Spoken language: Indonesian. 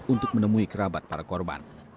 untuk menemui kerabat para korban